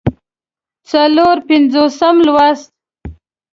څلور پينځوسم لوست